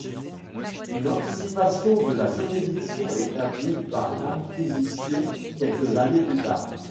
Une anticipation de la juridiction établie par l'Inquisition quelques années plus tard.